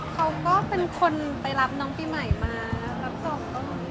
เออเขาแบบเขาก็เป็นคนไปรับน้องพี่ใหม่มารับตรง